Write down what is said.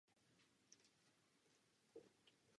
Gruzie je dnes schopná takové volby uspořádat.